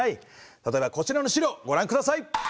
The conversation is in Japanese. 例えばこちらの資料ごらんください。